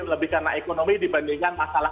lebih karena ekonomi dibandingkan masalah